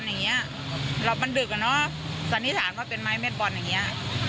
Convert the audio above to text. อย่างเงี้ยเรามันดึกอ่ะเนอะสันนิษฐานว่าเป็นไม้เม็ดบอลอย่างเงี้ย